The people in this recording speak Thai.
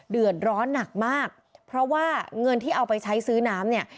เดือดร้อนหนักมากเพราะว่าเงินที่เอาไปใช้ซื้อน้ำเนี่ย